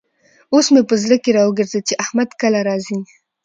اوس مې په زړه کې را وګرزېد چې احمد کله راځي.